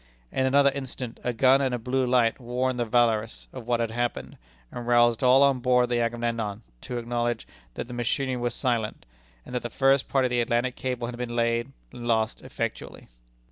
In another instant a gun and a blue light warned the Valorous of what had happened, and roused all on board the Agamemnon to a knowledge that the machinery was silent, and that the first part of the Atlantic Cable had been laid and lost effectually."